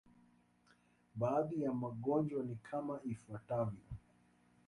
Baadhi ya magonjwa ni kama ifuatavyo.